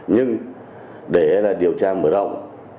nhưng để điều tra mở rộng